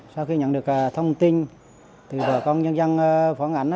sau khi nhận được thông tin từ bà công nhân dân phóng ảnh